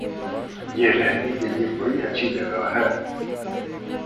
یہ رہنے کےلئے بڑی اچھی جگہ ہے